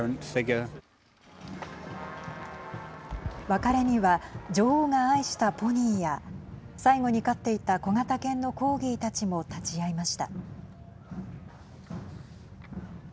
別れには女王が愛したポニーや最後に飼っていた小型犬のコーギーたちも立ち会いました。